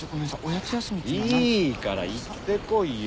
いいから行ってこいよ。